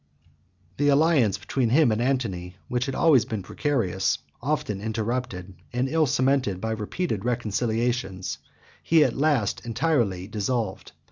The alliance between him and Antony, which had always been precarious, often interrupted, and ill cemented by repeated reconciliations, he at last entirely dissolved.